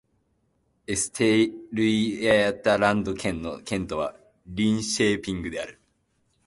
エステルイェータランド県の県都はリンシェーピングである